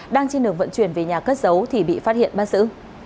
đang trên đường vận chuyển về nhà cất giấu thì bị phát hiện bắt giữ